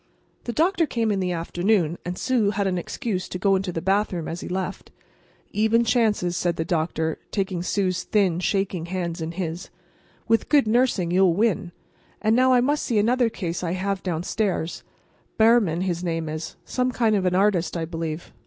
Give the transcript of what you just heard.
The doctor came in the afternoon, and Sue had an excuse to go into the hallway as he left. "Even chances," said the doctor, taking Sue's thin, shaking hand in his. "With good nursing you'll win. And now I must see another case I have downstairs. Behrman, his name is—some kind of an artist, I believe.